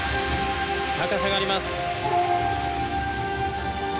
高さがあります。